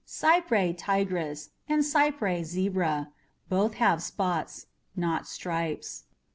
CYPRAEA TIGRIS and CYPRAEA ZEBRA both have spots, not stripes.